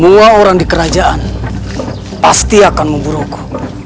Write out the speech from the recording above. dua orang di kerajaan pasti akan membunuhku